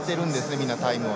みんなタイムを。